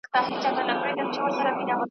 زما د مورکۍ د الاهو ماته آشنا کلی دی `